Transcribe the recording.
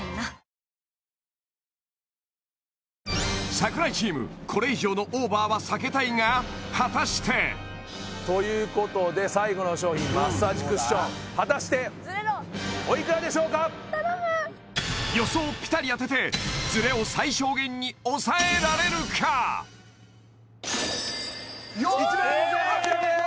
櫻井チームこれ以上のオーバーは避けたいが果たしてということで最後の商品マッサージクッション果たしておいくらでしょうか予想をピタリ当ててズレを最小限に抑えられるか１万５８００円！